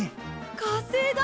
火星だ！